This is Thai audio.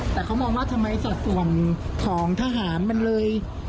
แต่เขามองว่าทำไมสัดส่วนของทหารมันเลย